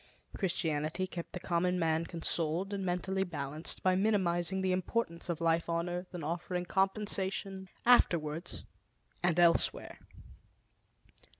Christianity kept the common man consoled and mentally balanced by minimizing the importance of life on earth and offering compensation afterwards and elsewhere.